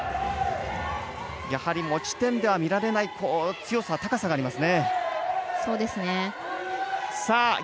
やはり持ち点では見られない強さ、高さがあります。